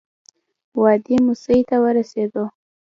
وادي موسی ته ورسېدو.